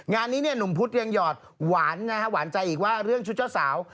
งานนี้เนี่ยหนุ่มพุธยังหยอดหวานนะฮะหวานใจอีกว่าเรื่องชุดเจ้าสาว